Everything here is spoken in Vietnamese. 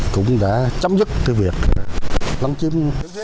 cũng đã chấm dứt việc lấn chiếm